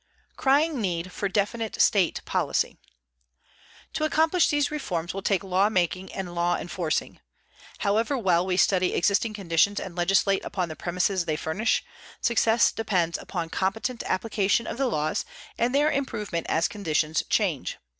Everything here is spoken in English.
_" CRYING NEED FOR DEFINITE STATE POLICY To accomplish these reforms will take law making and law enforcing. However well we study existing conditions and legislate upon the premises they furnish, success depends upon competent application of the laws and their improvement as conditions change.